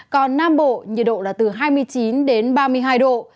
còn nam bộ nhiệt độ là từ hai mươi chín đến ba mươi hai độ